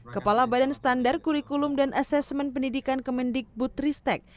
kepala badan standar kurikulum dan asesmen pendidikan kemendik butristek